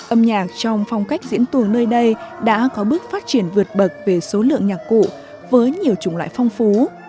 âm nhạc trong phong cách diễn tuồng nơi đây đã có bước phát triển vượt bậc về số lượng nhạc cụ với nhiều chủng loại phong phú